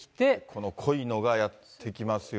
この濃いのがやって来ますよ。